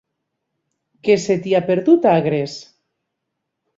Què se t'hi ha perdut, a Agres?